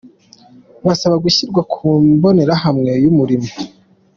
basaba gushyirwa ku mbonerahamwe y’umurimo.